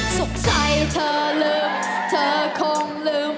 สุขใจเธอลืมเธอคงลืม